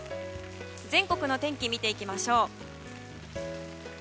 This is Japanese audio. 全国の天気を見ていきましょう。